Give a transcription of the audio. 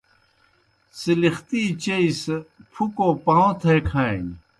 څِلِختی چیئی سہ پُھکو پاؤں تھے کھانیْ۔